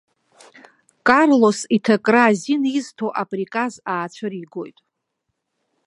Карлос иҭакра азин изҭо априказ аацәыригоит.